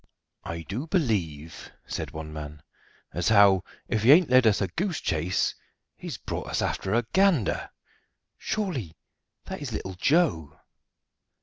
"I do believe," said one man, "as how, if he ain't led us a goose chase, he's brought us after a Gander surely that is little Joe."